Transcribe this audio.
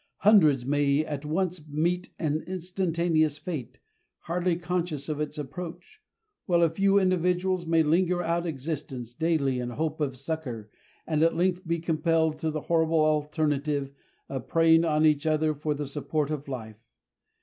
Hundreds may at once meet an instantaneous fate, hardly conscious of its approach, while a few individuals may linger out existence, daily in hope of succor, and at length be compelled to the horrible alternative of preying on each other for the support of life.